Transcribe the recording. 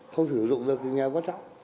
không sử dụng được thì nhà quá cháu